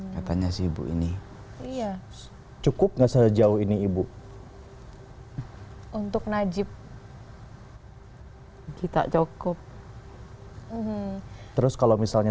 katanya sih ibu ini iya cukup nggak sejauh ini ibu untuk najib kita cukup terus kalau misalnya